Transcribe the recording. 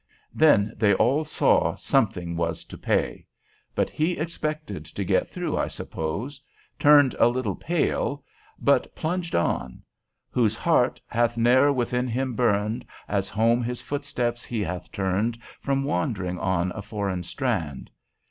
Then they all saw that something was to pay; but he expected to get through, I suppose, turned a little pale, but plunged on, "Whose heart hath ne'er within him burned, As home his footsteps he hath turned From wandering on a foreign strand?